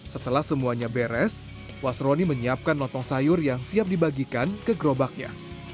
setelah semuanya beres wasroni menyiapkan lontong sayur yang siap dibagikan ke gerobaknya